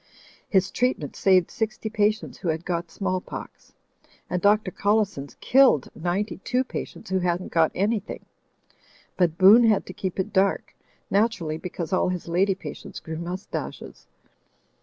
His treatment saved sixty patients who had got small pox; and Dr. Collison's killed ninety two patients who hadn't got anything. But Boone had to keep it dark; naturally, because all his lady patients grew mustaches.